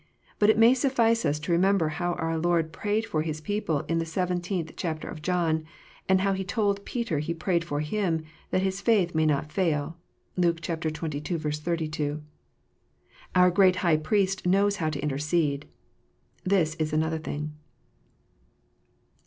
But it may suffice us to remember how our Lord prayed for His people in the seventeenth chapter of John, and how He told Peter He prayed for him, that his faith might not fail (Luke xxii. 32.) Our great High Priest knows how to intercede. This is another thing.